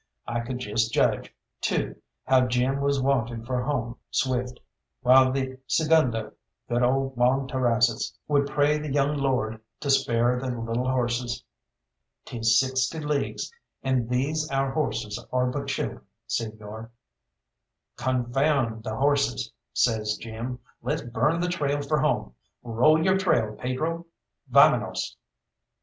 I could just judge, too, how Jim was wanting for home swift, while the segundo, good old Juan Terrazas, would pray the young lord to spare the little horses. "'Tis sixty leagues, and these our horses are but children, señor." "Confound the horses!" says Jim, "let's burn the trail for home. Roll your trail, Pedro! _Vamenos!